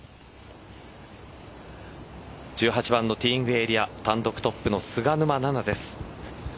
１８番のティーイングエリア単独トップの菅沼菜々です。